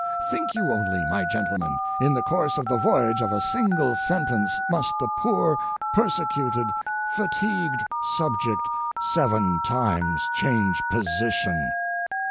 Think you only, my gentlemen, in the course of the voyage of a single sentence must the poor, persecuted, fatigued subject seven times change position!